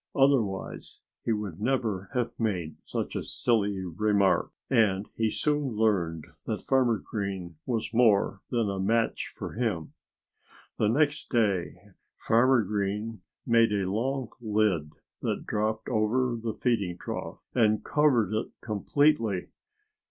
Otherwise he would never have made such a silly remark. And he soon learned that Farmer Green was more than a match for him. The next day Farmer Green made a long lid that dropped over the feeding trough and covered it completely.